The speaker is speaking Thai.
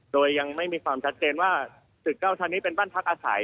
โดยยังไม่มีความชัดเจนว่าตึกเก้าชั้นนี้เป็นบ้านพักอาศัย